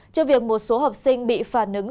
trước việc một số học sinh bị phản ứng